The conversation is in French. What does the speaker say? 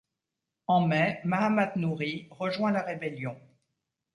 En mai, Mahamat Nouri rejoint la rébellion.